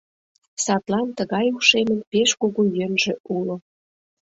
Садлан тыгай ушемын пеш кугу йӧнжӧ уло.